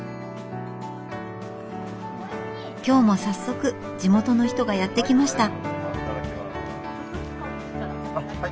今日も早速地元の人がやって来ました。